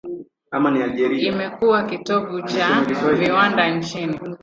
Imekuwa kitovu cha viwanda nchini.